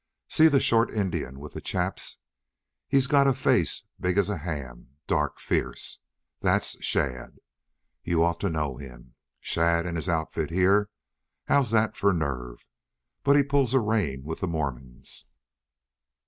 See the short Indian with the chaps. He's got a face big as a ham, dark, fierce. That's Shadd!... You ought to know him. Shadd and his outfit here! How's that for nerve? But he pulls a rein with the Mormons."